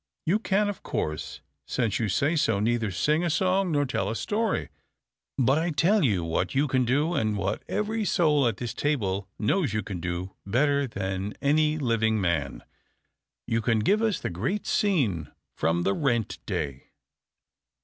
You can, of course, since you say so, neither sing a song nor tell a story. But I tell you what you can do, and what every soul at this table knows you can do better than any living man you can give us the great scene from the 'Rent Day.'"